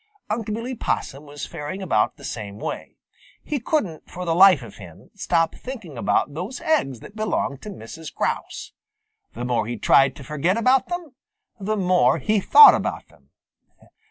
Unc' Billy Possum was faring about the same way. He couldn't, for the life of him, stop thinking about those eggs that belonged to Mrs. Grouse. The more he tried to forget about them, the more he thought about them.